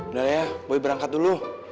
udah ya boleh berangkat dulu